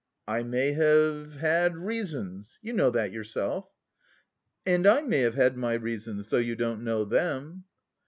"I may have had... reasons. You know that yourself." "And I may have had my reasons, though you don't know them."